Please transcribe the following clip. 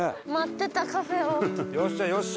よっしゃよっしゃ！